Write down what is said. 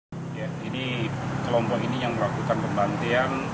kelompok bersenjata dari wilayah duga wamena yang juga pernah melakukan penembakan pesawat trigana air